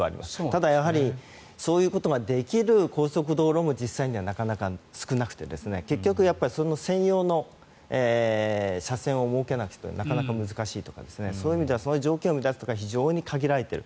ただ、やはりそういうことができる高速道路も実際にはなかなか少なくて結局、専用の車線を設けないとなかなか難しいとかそういう意味では条件を満たすところは非常に限られている。